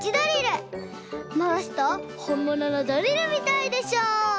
まわすとほんもののドリルみたいでしょう？